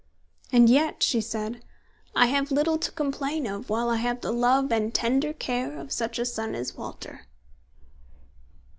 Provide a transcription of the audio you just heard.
"And yet," she said, "I have little to complain of while I have the love and tender care of such a son as Walter."